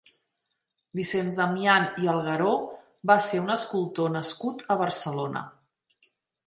Vicenç Damian i Algueró va ser un escultor nascut a Barcelona.